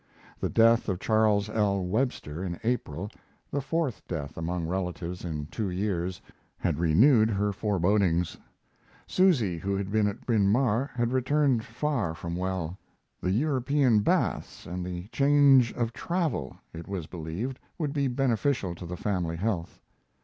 The death of Charles L. Webster in April the fourth death among relatives in two years had renewed her forebodings. Susy, who had been at Bryn Mawr, had returned far from well. The European baths and the change of travel it was believed would be beneficial to the family health.